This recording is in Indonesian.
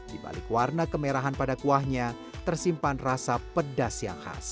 di balik warna kemerahan pada kuahnya tersimpan rasa pedas yang khas